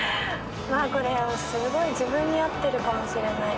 これすごい自分に合ってるかもしれない。